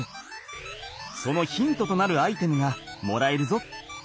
そのヒントとなるアイテムがもらえるぞ。